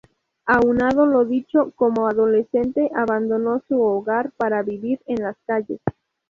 Aunado lo dicho, como adolescente abandonó su hogar para vivir en las calles.